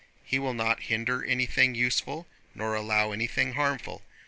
He will not hinder anything useful nor allow anything harmful.